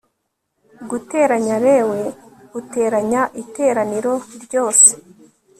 GUTERANYA Lw uteranye iteraniro ryose